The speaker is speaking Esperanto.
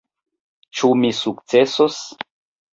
Ĉu mi sukcesos?